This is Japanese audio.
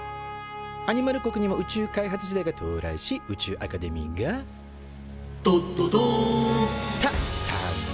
アニマル国にも宇宙開発時代が到来し宇宙アカデミーが「ドッドドーン！」と誕生。